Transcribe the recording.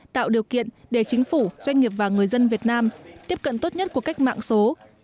tạo điều kiện để chính phủ doanh nghiệp và người dân việt nam tiếp cận tốt nhất của cách mạng số